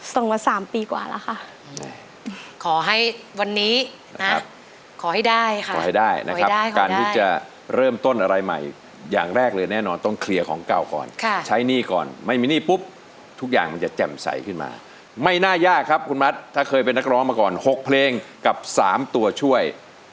ส่งมาสามปีกว่าแล้วค่ะขอให้วันนี้นะครับขอให้ได้ค่ะขอให้ได้นะครับการที่จะเริ่มต้นอะไรใหม่อย่างแรกเลยแน่นอนต้องเคลียร์ของเก่าก่อนใช้หนี้ก่อนไม่มีหนี้ปุ๊บทุกอย่างมันจะแจ่มใสขึ้นมาไม่น่ายากครับคุณมัดถ้าเคยเป็นนักร้องมาก่อน๖เพลงกับ๓ตัวช่วย